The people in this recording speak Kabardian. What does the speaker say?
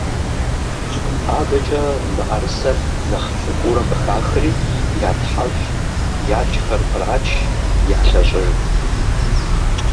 АдэкӀэ мыӀэрысэр, нэхъ цӀыкӀуурэ къыхахри, ятхьэщӀ, якӀхэр кърач, ялъэщӀыж.